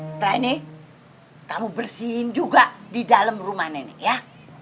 setelah ini kamu bersihin juga di dalam rumah nenek ya